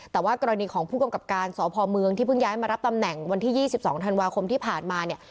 แต่ว่ากรณีของผู้กำกับการสพเมืองที่เพิ่งย้ายมารับตำแหน่งวันที่๒๒ธันวาคมที่ผ่านมาเนี่ย